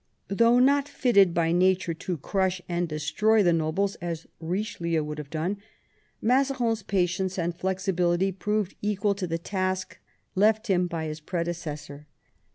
Though not fitted by nature to crush and destroy the nobles as Bichelieu would have done, Mazarin's patience and flexibility proved equal to the task left him by his predecessor.